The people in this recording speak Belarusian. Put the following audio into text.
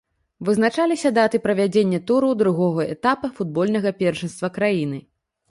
Вызначыліся даты правядзення тураў другога этапа футбольнага першынства краіны.